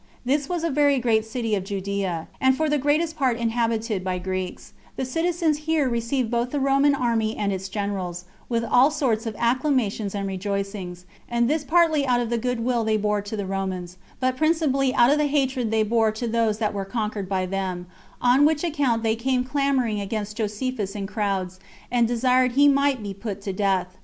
This was a very great city of Judea, and for the greatest part inhabited by Greeks: the citizens here received both the Roman army and its general, with all sorts of acclamations and rejoicings, and this partly out of the good will they bore to the Romans, but principally out of the hatred they bore to those that were conquered by them; on which account they came clamoring against Josephus in crowds, and desired he might be put to death.